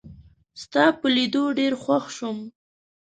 ستا په لیدو ډېر خوښ شوم